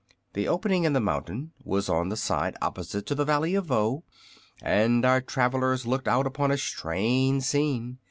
The opening in the mountain was on the side opposite to the Valley of Voe, and our travellers looked out upon a strange scene.